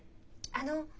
あの。